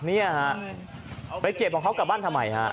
เนี่ยฮะไปเก็บของเขากลับบ้านทำไมฮะ